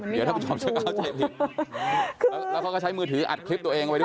เดี๋ยวท่านผู้ชมจะเข้าใจผิดแล้วเขาก็ใช้มือถืออัดคลิปตัวเองไว้ด้วย